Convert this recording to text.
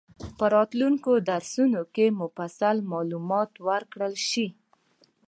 په راتلونکي درسونو کې مفصل معلومات ورکړل شي.